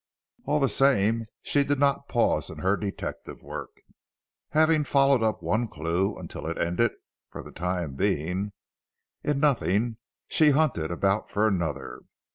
All the same she did not pause in her detective work. Having followed up one clue, until it ended for the time being in nothing, she hunted about for another.